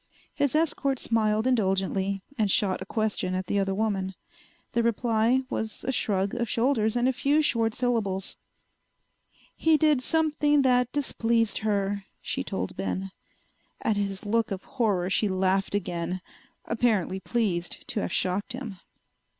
His escort smiled indulgently and shot a question at the other woman. The reply was a shrug of shoulders and a few short syllables. "He did something that displeased her," she told Ben. At his look of horror she laughed again, apparently pleased to have shocked him.